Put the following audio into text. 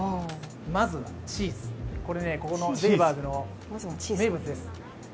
まずはチーズ、これここのゼイバーズの名物です。